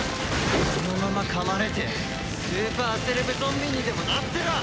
そのまま噛まれてスーパーセレブゾンビにでもなってろ！